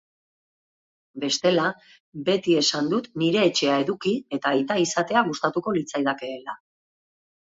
Bestela, beti esan dut nire etxea eduki eta aita izatea gustatuko litzaidakeela.